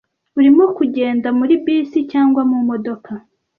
Urimo kugenda muri bisi cyangwa mumodoka?